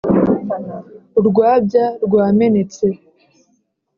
Urwabya rwamenetse.